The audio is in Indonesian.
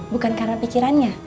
bukan karena pikirannya